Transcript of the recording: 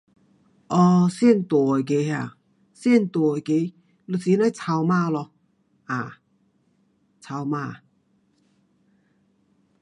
um 最大那个，最大那个就是那草蜢咯。草蜢。